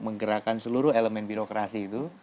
menggerakkan seluruh elemen birokrasi itu